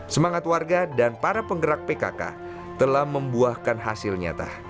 semangat warga dan para penggerak pkk telah membuahkan hasil nyata